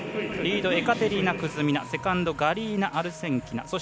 リード、エカテリーナ・クズミナセカンドガリーナ・アルセンキナ